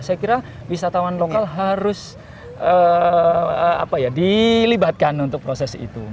saya kira wisatawan lokal harus dilibatkan untuk proses itu